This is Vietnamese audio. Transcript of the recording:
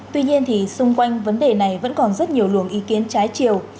tuy nhiên thì xung quanh vấn đề này vẫn còn rất nhiều luồng ý kiến trái chiều